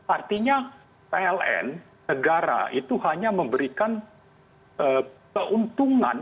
artinya pln negara itu hanya memberikan keuntungan